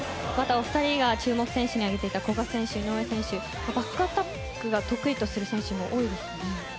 お二人が注目選手に挙げていた古賀選手、井上選手などバックアタックが得意とする選手も多いですよね。